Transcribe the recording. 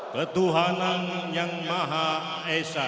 ketuhanan yang maha esa